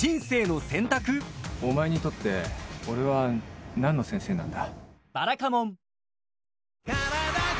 お前にとって俺は何の先生なんだ？